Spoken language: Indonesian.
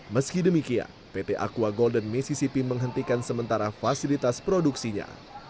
meski demikian pt aqua golden messip menghentikan sementara fasilitas produksinya